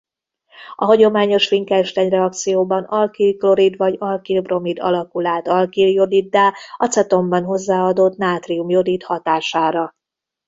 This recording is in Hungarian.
A hagyományos Finkelstein-reakcióban alkil-klorid vagy alkil-bromid alakul át alkil-jodiddá acetonban hozzáadott nátrium-jodid hatására.